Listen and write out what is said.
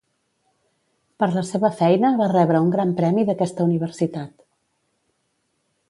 Per la seva feina, va rebre un gran premi d'aquesta universitat.